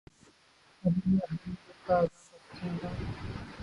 کریں گے اہل نظر تازہ بستیاں آباد